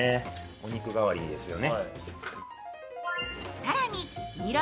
お肉代わりですよね。